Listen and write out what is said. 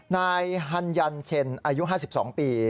นายฮันยันเซ็นอายุ๕๒ปี